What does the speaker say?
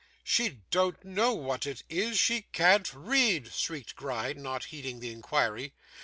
'She don't know what it is; she can't read!' shrieked Gride, not heeding the inquiry.